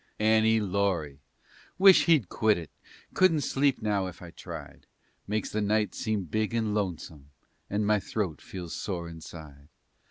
"Annie Laurie" wish he'd quit it! Couldn't sleep now if I tried. Makes the night seem big and lonesome, And my throat feels sore inside.